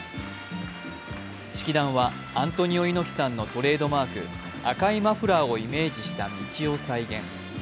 式壇はアントニオ猪木さんのトレードマーク、赤いマフラーをイメージした道を再現。